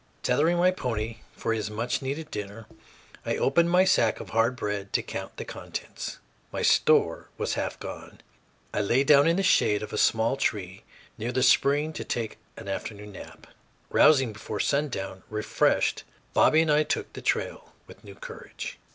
Tethering my pony for his much needed dinner, I opened my sack of hard bread to count the contents; my store was half gone. I lay down in the shade of a small tree near the spring to take an afternoon nap. Rousing before sundown, refreshed, Bobby and I took the trail with new courage.